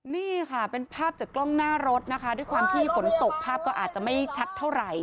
นี่ค่ะเป็นภาพจากกล้องหน้ารถนะคะด้วยความที่ฝนตกภาพก็อาจจะไม่ชัดเท่าไหร่